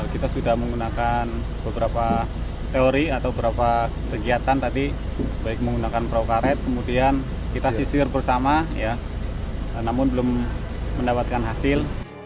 kita sudah menggunakan beberapa teori atau beberapa kegiatan tadi baik menggunakan perahu karet kemudian kita sisir bersama namun belum mendapatkan hasil